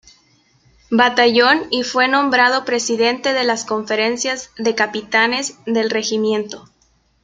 Batallón y fue nombrado presidente de las Conferencias de Capitanes del Regimiento.